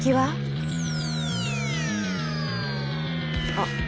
あっ！